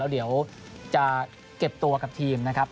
เดี๋ยวจะเก็บตัวกับทีมนะครับ